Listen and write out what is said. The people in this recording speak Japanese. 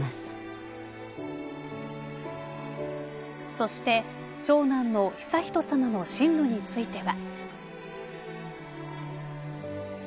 そして、長男の悠仁さまの進路については。